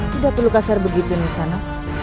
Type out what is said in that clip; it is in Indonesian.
tidak perlu kasar begitu nisana